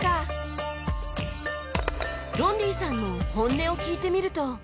ロンリーさんの本音を聞いてみると